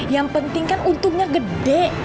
yang penting kan untungnya gede